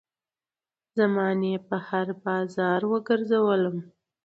زمانې په هـــــر بازار وګرځــــــــــولم